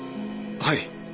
はい。